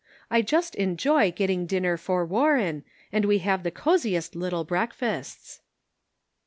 I just enjoy getting dinner for Warren, and we have the cosiest little breakfasts."